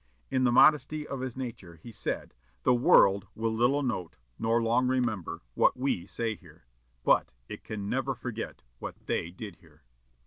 In the modesty of his nature, he said, 'The world will little note, nor long remember, what we say here; but it can never forget what they did here.'